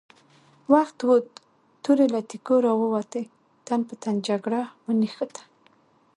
وخت ووت، تورې له تېکو را ووتې، تن په تن جګړه ونښته!